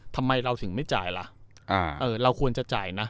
ทำไมเราถึงไม่จ่ายล่ะเราควรจะจ่ายนะ